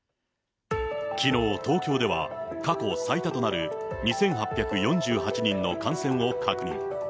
きのう東京では、過去最多となる２８４８人の感染を確認。